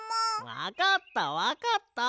わかったわかった。